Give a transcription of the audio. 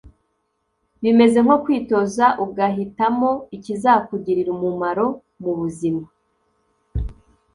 bimeze nko kwitoza ugahitamo ikizakugirira umumaro mu buzima